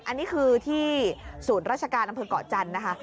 อันนี้คือที่ศูนย์ราชการอำเภอกเกาะจันทร์นะคะ